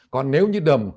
còn nếu như đờm